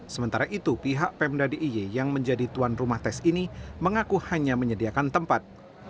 sementara itu pihak pemda d i y yang menjadi tuan rumah tes ini mengaku hanya menyediakan tempat